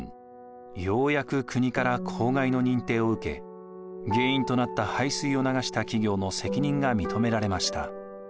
ようやく国から公害の認定を受け原因となった廃水を流した企業の責任が認められました。